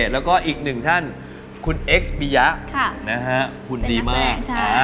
แล้วก็อีกหนึ่งท่านคุณเอ็กซ์ปียะหุ่นดีมาก